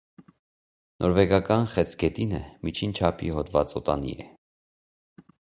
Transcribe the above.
Նորվեգական խեցգետինը միջին չափի հոդվածոտանի է։